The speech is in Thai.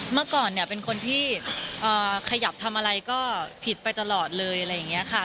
เมื่อก่อนเนี่ยเป็นคนที่ขยับทำอะไรก็ผิดไปตลอดเลยอะไรอย่างนี้ค่ะ